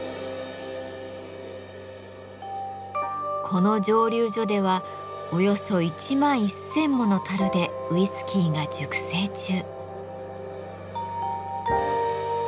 この蒸留所ではおよそ１万１，０００もの樽でウイスキーが熟成中。